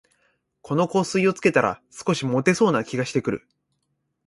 この香水をつけたら、少しもてそうな気がしてくる